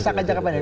sangat jaga pendek